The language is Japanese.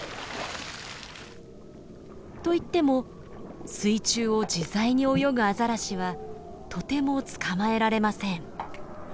といっても水中を自在に泳ぐアザラシはとても捕まえられません。